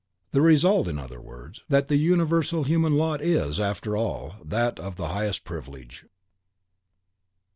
The result is (in other words), THAT THE UNIVERSAL HUMAN LOT IS, AFTER ALL, THAT OF THE HIGHEST PRIVILEGE.